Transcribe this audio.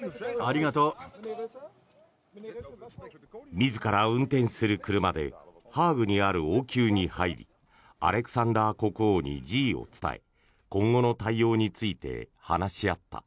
自ら運転する車でハーグにある王宮に入りアレクサンダー国王に辞意を伝え今後の対応について話し合った。